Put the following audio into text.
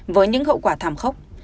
với những hậu quả thảm khốc